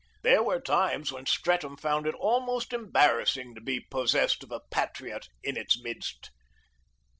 There were times when Streatham found it almost embarrassing to be possessed of a patriot in its midst.